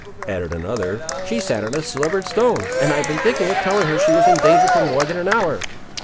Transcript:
added another; "she sat on a slivered stone, and I have been thinking of telling her she was in danger for more than an hour."